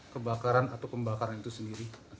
kebakaran atau pembakaran itu sendiri